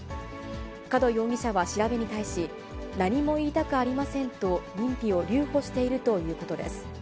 門容疑者は調べに対し、何も言いたくありませんと、認否を留保しているということです。